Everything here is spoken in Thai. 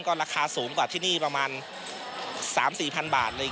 ก็ราคาสูงกว่าที่นี่ประมาณ๓๔๐๐๐บาท